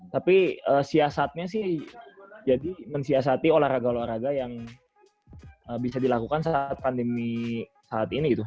tapi siasatnya sih jadi mensiasati olahraga olahraga yang bisa dilakukan saat pandemi saat ini gitu